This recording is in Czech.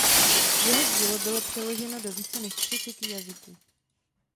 Jeho dílo bylo přeloženo do více než třiceti jazyků.